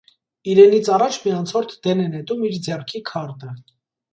Իրենից առաջ մի անցորդ դեն է նետում իր ձեռքի քարտը։